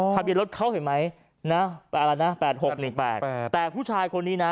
ทะเบียนรถเขาเห็นไหมนะเอาละนะแปดหกหนึ่งแปดแต่ผู้ชายคนนี้น่ะ